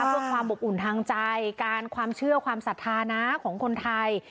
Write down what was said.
เพื่อความอบอุ่นทางใจการความเชื่อความศรัทธานะของคนไทย